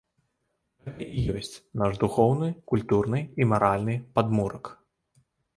Гэта і ёсць наш духоўны, культурны і маральны падмурак.